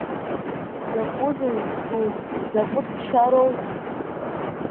Закәызеи узҿу, закәытә ԥсшьароузеи?